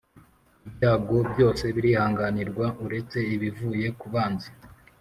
Ibyago byose birihanganirwa, uretse ibivuye ku banzi!